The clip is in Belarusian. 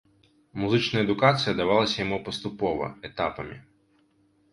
Музычная адукацыя давалася яму паступова, этапамі.